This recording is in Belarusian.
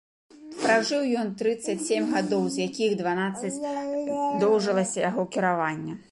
Пражыў ён трыццаць сем гадоў, з якіх дванаццаць доўжылася яго кіраванне.